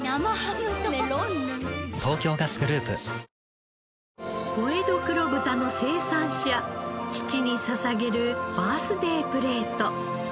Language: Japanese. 小江戸黒豚の生産者父に捧げるバースデープレート。